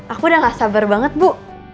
aku udah gak sabar banget bu